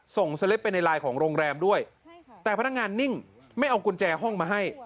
สเล็ปไปในไลน์ของโรงแรมด้วยแต่พนักงานนิ่งไม่เอากุญแจห้องมาให้